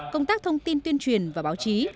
công tác thông tin tuyên truyền và báo chí